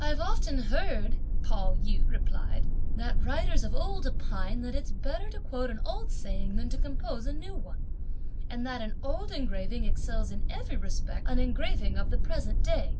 "I've often heard," Pao yü replied, "that writers of old opine that it's better to quote an old saying than to compose a new one; and that an old engraving excels in every respect an engraving of the present day.